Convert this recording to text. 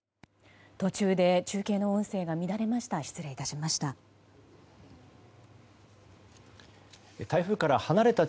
途中で中継の音声が乱れました。